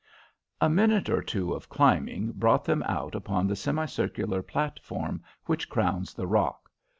A minute or two of climbing brought them out upon the semicircular platform which crowns the rock.